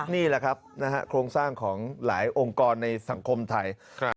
นี่แหละครับโครงสร้างของหลายองค์กรในสังคมไทย